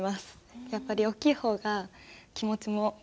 やっぱり大きい方が気持ちもこもるかなと。